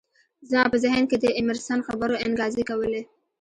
زما په ذهن کې د ایمرسن خبرو انګازې کولې